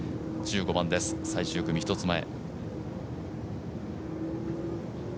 １５番です、最終組の１つ前。